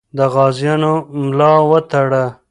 د غازیانو ملا وتړه.